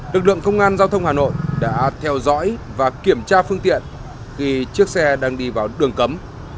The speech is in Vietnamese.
lực lượng công an giao thông hà nội đã theo dõi và kiểm tra phương tiện khi chiếc xe đang đi vào đường cấm